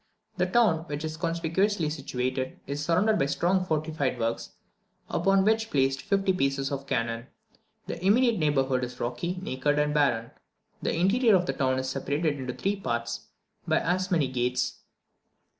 The town, which is conspicuously situated, is surrounded by strong fortified works, upon which are placed fifty pieces of cannon. The immediate neighbourhood is rocky, naked, and barren. The interior of the town is separated into three parts by as many gates.